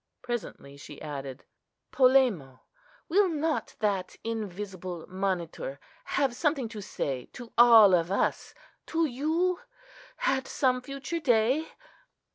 Presently she added, "Polemo, will not that invisible Monitor have something to say to all of us,—to you,—at some future day?"